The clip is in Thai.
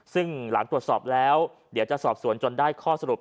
ซึ่งหลังตรวจสอบแล้วเดี๋ยวจะสอบสวนจนได้ข้อสรุป